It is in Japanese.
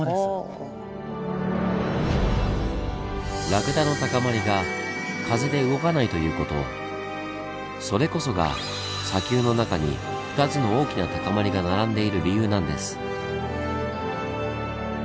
「ラクダの高まり」が風で動かないという事それこそが砂丘の中に２つの大きな高まりが並んでいる理由なんです。